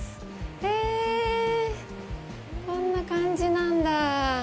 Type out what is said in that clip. へえ、こんな感じなんだ。